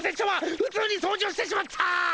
ふつうに掃除をしてしまった！